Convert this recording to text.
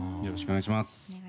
よろしくお願いします。